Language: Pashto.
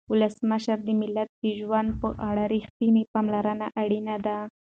ولسمشره د ملت د ژوند په اړه رښتینې پاملرنه اړینه ده.